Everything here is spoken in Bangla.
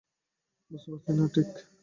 বুঝতে পারছি না ঠিক।